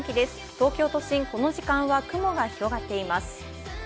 東京都心、この時間は雲が広がっています。